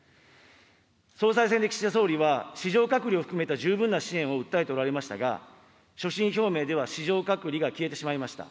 総裁選で岸田総理は、市場隔離を含めた十分な支援を訴えておられましたが、所信表明では、市場隔離が消えてしまいました。